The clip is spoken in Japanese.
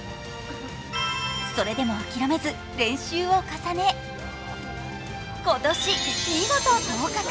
それでも諦めず練習を重ね、今年、見事合格！